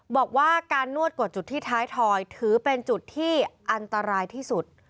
บอกว่าการนวดกดจุดที่ท้ายถอยถือเป็นจุดที่อันตรายที่สุด